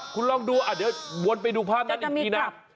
คุณลองดูเดี๋ยววนไปดูภาพนั้นอีกทีนะ